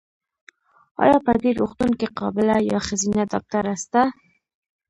ایا په دي روغتون کې قابیله یا ښځېنه ډاکټره سته؟